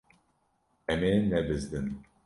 Em ê nebizdin.